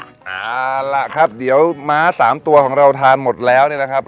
เอาล่ะครับเดี๋ยวม้าสามตัวของเราทานหมดแล้วเนี่ยนะครับ